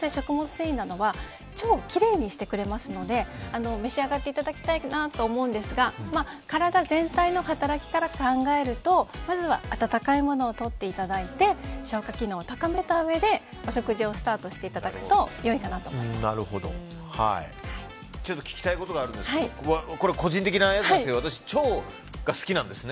繊維などは腸をきれいにしてくれますので召し上がっていただきたいなと思うんですが体全体の働きから考えるとまずは温かいものをとっていただいて消化機能を高めたうえでお食事をスタートしていただくと聞きたいことがあるんですが個人的なやつですよ。